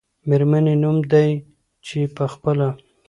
میرمنې نوم دی، چې په خپله